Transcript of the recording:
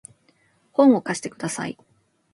本を貸してください